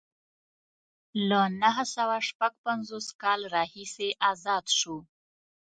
له نهه سوه شپږ پنځوس کال راهیسې ازاد شو.